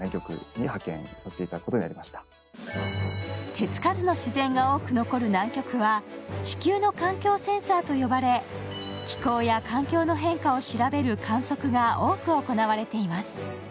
手つかずの自然が多く残る南極は、地球の環境センサーと呼ばれ、地球の環境変化を調べる観測が多く行われています。